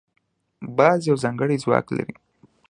باز یو ځانګړی ځواک لري